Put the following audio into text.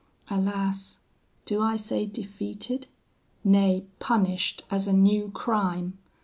Alas do I say defeated? nay punished as a new crime.